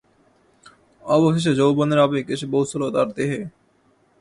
অবশেষে যৌবনের আবেগ এসে পৌঁছল তার দেহে।